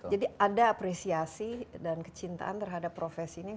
jadi ada apresiasi dan kecintaan terhadap profesi ini